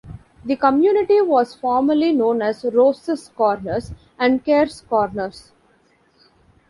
The community was formerly known as "Rose's Corners" and "Kerr's Corners".